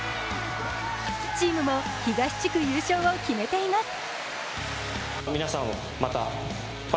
チームも東地区優勝を決めています。